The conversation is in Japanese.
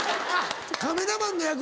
カメラマンの役？